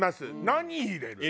何入れる？